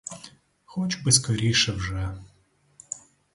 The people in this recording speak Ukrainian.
Хоч би скоріше вже.